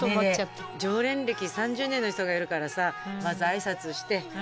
常連歴３０年の人がいるからさまず挨拶して。